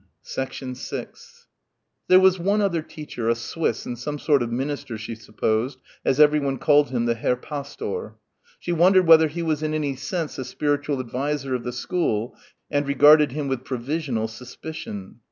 6 There was one other teacher, a Swiss and some sort of minister she supposed as everyone called him the Herr Pastor. She wondered whether he was in any sense the spiritual adviser of the school and regarded him with provisional suspicion.